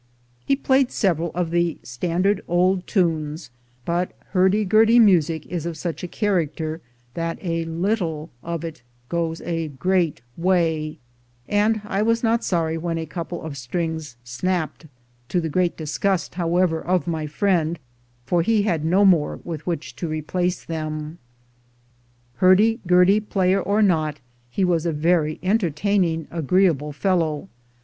He played several of the standard old tunes; but hurdy gurdy music is of such a character that a little of it goes a great way; and I was not sorry when a couple of strings snapped — to the great disgust, how ever, of my friend, for he had no more with which to replace them. Hurdy gurdy player or not, he was a very enter taining, agreeable fellow.